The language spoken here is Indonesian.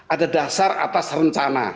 ada dasar atas rencana